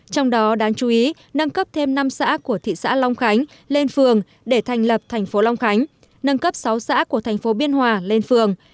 trong đó đáng chú ý nâng cấp thêm năm xã của thị xã long khánh lên phường để thành lập thành phố long khánh nâng cấp sáu xã của thành phố biên hòa lên phường